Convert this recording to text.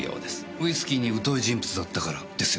ウイスキーに疎い人物だったからですよね？